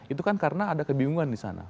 itu kan karena ada kebingungan di sana